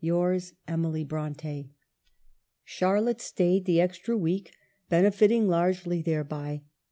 — Yours, " Emily Bronte." Charlotte stayed the extra week, benefiting largely thereby.